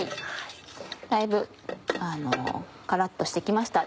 だいぶカラっとして来ました。